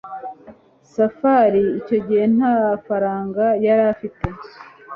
safari icyo gihe nta faranga yari afite